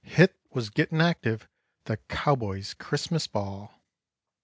hit was getting active, the Cowboy's Christmas Ball.